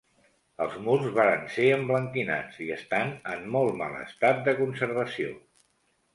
Els murs varen ser emblanquinats i estan en molt mal estat de conservació.